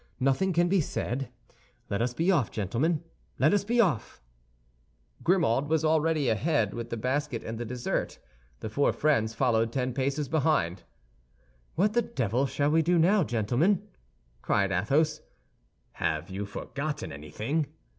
Nothing can be said; let us be off, gentlemen, let us be off!" Grimaud was already ahead, with the basket and the dessert. The four friends followed, ten paces behind him. "What the devil shall we do now, gentlemen?" cried Athos. "Have you forgotten anything?"